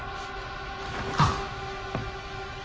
あっ。